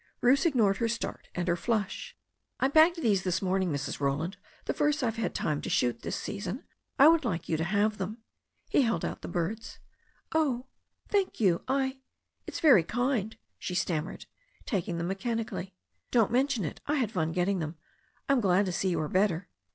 Bruce ignored her start and her flush. "I bagged these this morning, Mrs. Roland. The first I've had time to shoot this season. I would like you to have them." He held out the birds. "Oh, thank you — I — it's very kind " she stammered, taking them mechanically. "Don't mention it. I had fun getting them. I am glad to see you are better."